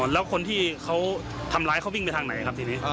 แล้วคนที่เขาทำร้ายเขาวิ่งไปทางไหนครับทีนี้